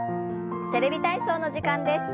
「テレビ体操」の時間です。